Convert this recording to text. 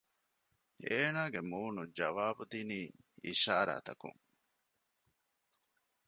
އޭނާގެ މޫނުން ޖަވާބު ދިނީ އިޝާރާތަކުން